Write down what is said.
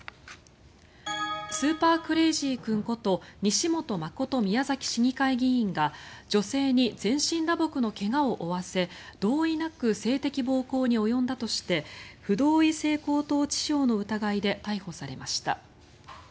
スーパークレイジー君こと西本誠宮崎市議会議員が女性に全身打撲の怪我を負わせ同意なく性的暴行に及んだとして不同意性交等致傷の疑いで逮捕されました。